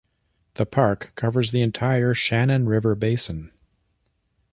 The park covers the entire Shannon River basin.